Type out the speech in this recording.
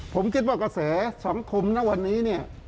ผมคิดว่ากระแสสังคมนะวันนี้เนี่ย